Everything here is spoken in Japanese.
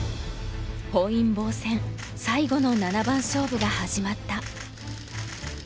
本因坊戦最後の七番勝負が始まった。